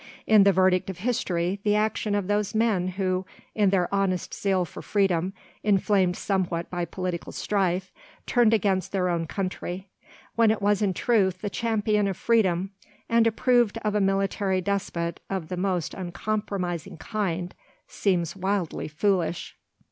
In the verdict of history the action of those men who, in their honest zeal for freedom, inflamed somewhat by political strife, turned against their own country, when it was in truth the Champion of Freedom, and approved of a military despot of the most uncompromising kind, seems wildly foolish.